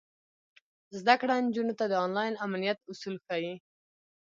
زده کړه نجونو ته د انلاین امنیت اصول ښيي.